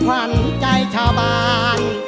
ขวัญใจชาวบ้าน